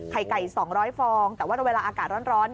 ไข่ไก่๒๐๐ฟองแต่ว่าเวลาอากาศร้อน